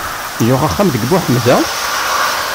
Yuɣ axxam deg Buḥemza?